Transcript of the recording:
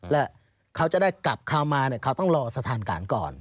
และเขาจะได้กลับเข้ามาเขาต้องรอสถานการณ์ก่อน